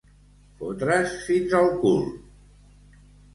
Fotre's fins al cul.